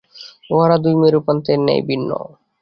উহারা দুই মেরুপ্রান্তের ন্যায় ভিন্ন।